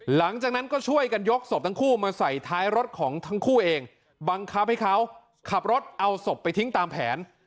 หลังจากนั้นก็ช่วยกันยกศพทั้งคู่มาใส่ท้ายรถของทั้งคู่เองบังคับให้เขาขับรถเอาศพไปทิ้งตามแผน